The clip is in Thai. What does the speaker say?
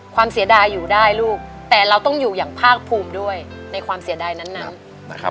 เสียดายอยู่ได้ลูกแต่เราต้องอยู่อย่างภาคภูมิด้วยในความเสียดายนั้นนะครับ